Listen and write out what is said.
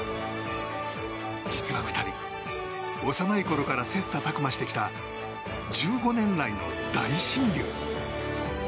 実は２人、幼いころから切磋琢磨してきた１５年来の大親友。